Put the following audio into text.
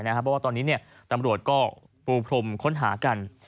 เพราะว่าตอนนี้ตำรวจก็ปูพรมค้นหากัน